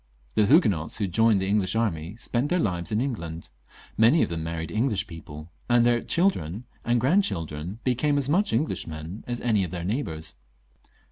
The Huguenots who had joined the English army spent their lives in England ; many of them married Eng lish people, and their children and grandchildren became as much Englishmen as any of their neighbours.